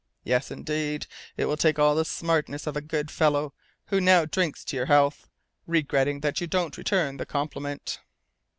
Yes, indeed, it will take all the smartness of the good fellow who now drinks to your health, regretting that you don't return the compliment!"